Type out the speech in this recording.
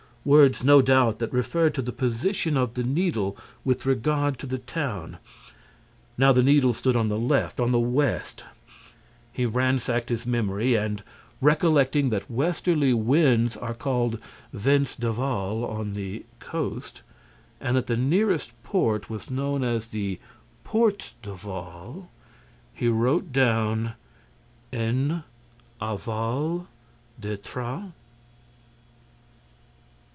Words, no doubt, that referred to the position of the Needle with regard to the town. Now the Needle stood on the left, on the west—He ransacked his memory and, recollecting that westerly winds are called vents d'aval on the coast and that the nearest porte was known as the Porte d'Aval, he wrote down: _"En aval d'Étretat .